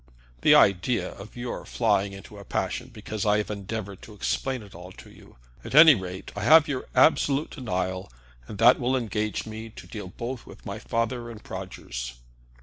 "The idea of your flying into a passion because I have endeavored to explain it all to you! At any rate I have your absolute denial, and that will enable me to deal both with my father and Prodgers."